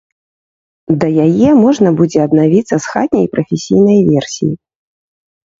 Да яе можна будзе абнавіцца з хатняй і прафесійнай версій.